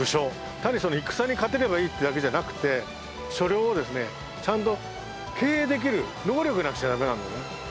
単に戦に勝てればいいっていうだけじゃなくて所領をちゃんと経営できる能力がなくちゃダメなんだよね。